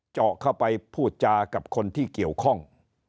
เจาะเข้าไปพูดจากับคนที่เกี่ยวข้อง